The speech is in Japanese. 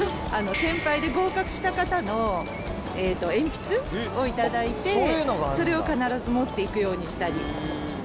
先輩で合格した方の鉛筆を頂いて、それを必ず持っていくようにしたり。